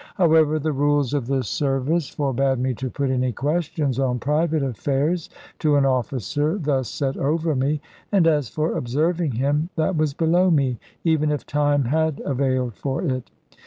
However, the rules of the service forbade me to put any questions on private affairs to an officer thus set over me; and as for observing him, that was below me, even if time had availed for it.